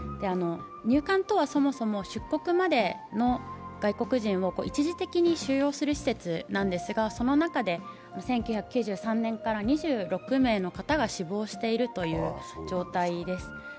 入管とはそもそも出国までの外国人を一時的に収容する施設なんですが、その中で、１９９３年から２６名の方が死亡しているという状態です。